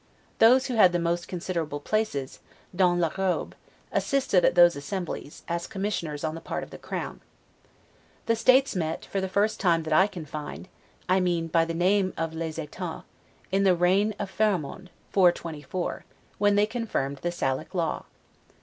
Those who had the most considerable places, 'dans la robe', assisted at those assemblies, as commissioners on the part of the Crown. The States met, for the first time that I can find (I mean by the name of 'les etats'), in the reign of Pharamond, 424, when they confirmed the Salic law.